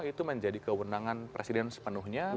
itu menjadi kewenangan presiden sepenuhnya